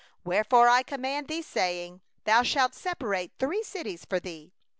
7Wherefore I command thee, saying: 'Thou shalt separate three cities for thee.